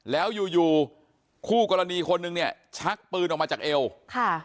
แล้วอยู่อยู่คู่กรณีคนนึงเนี่ยชักปืนออกมาจากเอวค่ะ